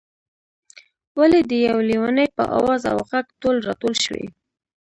ولې د یو لېوني په آواز او غږ ټول راټول شوئ.